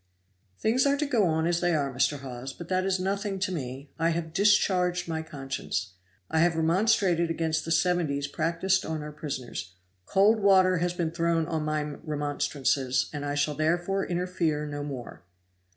"Things are to go on as they are, Mr. Hawes; but that is nothing to me, I have discharged my conscience. I have remonstrated against the seventies practiced on our prisoners. COLD WATER HAS BEEN THROWN ON MY REMONSTRANCES, and I shall therefore interfere no more."